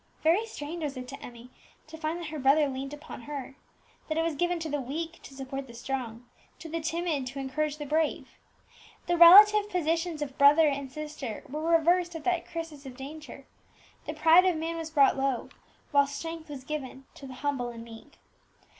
Very strange was it to Emmie to find that her brother leaned upon her that it was given to the weak to support the strong, to the timid to encourage the brave. The relative positions of brother and sister were reversed at that crisis of danger; the pride of man was brought low, whilst strength was given to the humble and meek.